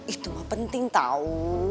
itu mah penting tau